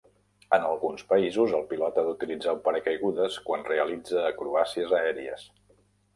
En alguns països, el pilot ha d'utilitzar un paracaigudes quan realitza acrobàcies aèries.